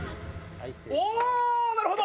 おおーなるほど！